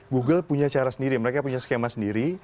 google punya cara sendiri mereka punya skema sendiri